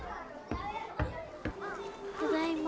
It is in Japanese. ただいま。